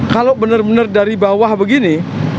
kalau bener bener dari bawah begini